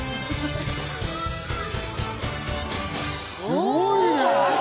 すごいね！